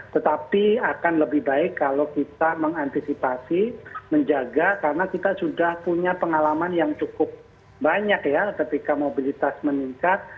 tetapi akan lebih baik kalau kita mengantisipasi menjaga karena kita sudah punya pengalaman yang cukup banyak ya ketika mobilitas meningkat